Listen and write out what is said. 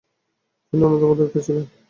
তিনি অন্যতম উদ্যোক্তা ছিলেন।